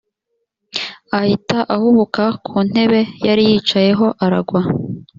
ahita ahubuka ku ntebe yari yicayeho aragwa